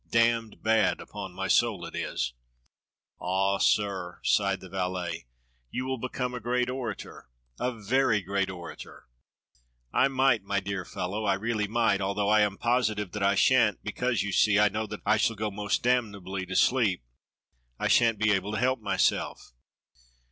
Damned bad, upon my soul it is! "Ah, sir," sighed the valet, "y^^ wi^l become a great orator, a very great orator." "I might, my dear fellow, I really might, although I am positive that I shan't, because, you see, I know that A MILITARY LADY KILLER ^65 I shall go most damnably to sleep. I shan't be able to help myself."